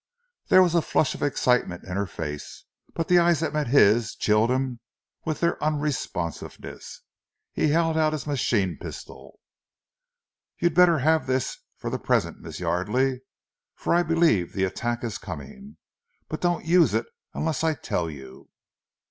There was a flush of excitement in her face, but the eyes that met his chilled him with their unresponsiveness. He held out his machine pistol. "You had better have this, for the present, Miss Yardely, for I believe the attack is coming. But don't use it unless I tell you."